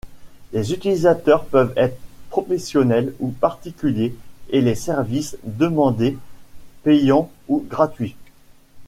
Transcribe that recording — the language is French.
Les utilisateurs peuvent être professionnels ou particuliers et les services demandés payants ou gratuits.